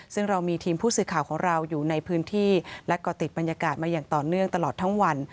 ซึ่งเรามีทีมผู้สื่อข่าวของเราอยู่ในพื้นที่และก่อติดบรรยากาศมาอย่างต่อเนื่องตลอดทั้งวัน